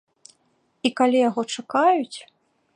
І калі яго чакаюць.